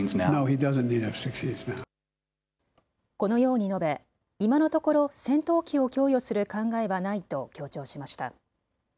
このように述べ、今のところ戦闘機を供与する考えはないと強調しました。